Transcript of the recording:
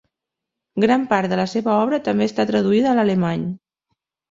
Gran part de la seva obra també està traduïda a l'alemany.